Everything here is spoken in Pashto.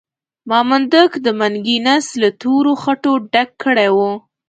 مامدک د منګي نس له تورو خټو ډک کړی وو.